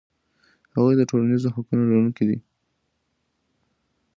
هغوی د ټولنیزو حقونو لرونکي دي.